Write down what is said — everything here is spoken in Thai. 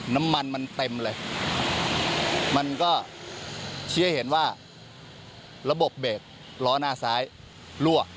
น้ำมันมันเต็มเลยมันก็ชี้ให้เห็นว่าระบบเบรกล้อหน้าซ้ายรั่ว